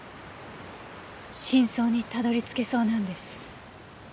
真相にたどり着けそうなんです。